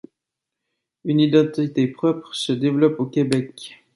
Une identité propre se développe au Québec.